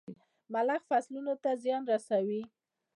ملخ فصلونو ته زيان رسوي.